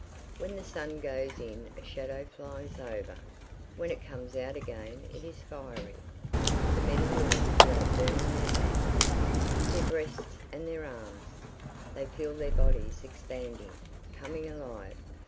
When the sun goes in a shadow flies over; when it comes out again it is fiery. The men and women feel it burning their backs, their breasts and their arms; they feel their bodies expanding, coming alive...